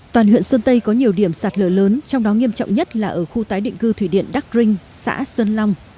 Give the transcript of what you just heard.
toàn huyện sơn tây có nhiều điểm sạt lở lớn trong đó nghiêm trọng nhất là ở khu tái định cư thủy điện đắc rinh xã sơn long